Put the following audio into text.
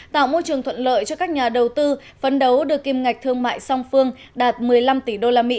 tạo môi trường thuận lợi cho các nhà đầu tư phấn đấu đưa kim ngạch thương mại song phương đạt một mươi năm tỷ usd